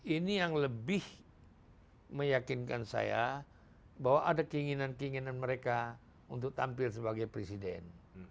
ini yang lebih meyakinkan saya bahwa ada keinginan keinginan mereka untuk tampil sebagai presiden